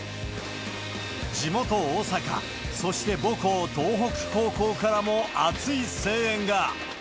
地元、大阪、そして母校、東北高校からも熱い声援が。